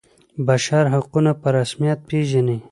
بشر حقونه په رسمیت پيژني.